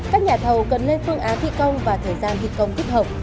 các nhà thầu cần lên phương án thi công và thời gian thi công thích hợp